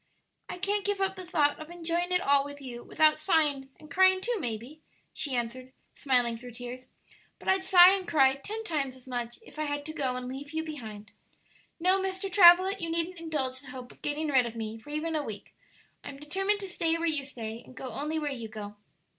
"I can't give up the thought of enjoying it all with you without sighing, and crying, too, maybe," she answered, smiling through tears; "but I'd sigh and cry ten times as much if I had to go and leave you behind. No, Mr. Travilla, you needn't indulge the hope of getting rid of me for even a week. I'm determined to stay where you stay, and go only where you go."